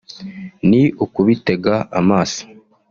Ni ukubitega amaso